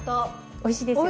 おいしいですよね。